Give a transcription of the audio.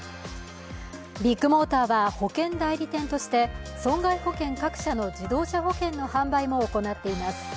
ビッグモーターは保険代理店として損害保険各社の自動車保険の販売も行っています。